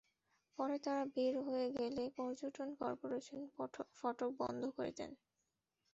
পরে তাঁরা বের হয়ে গেলে পর্যটন করপোরেশন ফটক বন্ধ করে দেন।